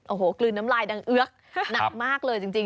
โอ้โหกลืนน้ำลายดังเอือกหนักมากเลยจริง